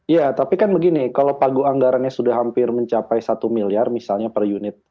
ya tapi kan begini kalau pagu anggarannya sudah hampir mencapai satu miliar misalnya per unit